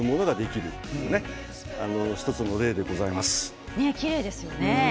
きれいですよね。